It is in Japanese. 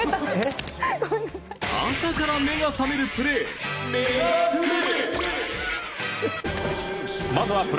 朝から目が覚めるプレーメガプレ！